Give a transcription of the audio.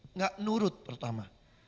enggak nurut pertama